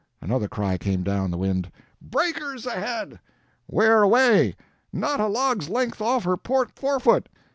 Another cry came down the wind: "Breakers ahead!" "Where away?" "Not a log's length off her port fore foot!"